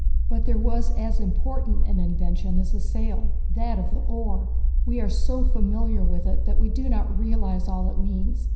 But there was as important an invention as the sail that of the oar. We are so familiar with it, that we do not realize all it means.